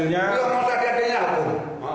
ya lah dia masa dia ada nyangkut